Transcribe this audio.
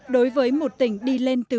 đối với một tỉnh đi lên từ pháp